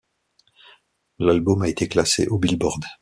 L'album a été classé au Billboard.